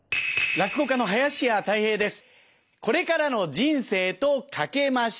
落語家の林家たい平です。